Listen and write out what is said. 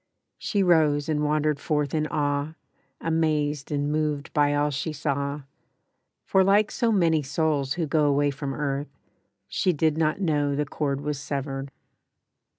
She rose and wandered forth in awe, Amazed and moved by all she saw, For, like so many souls who go Away from earth, she did not know The cord was severed.